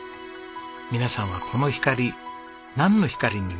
皆さんはこの光なんの光に見えますか？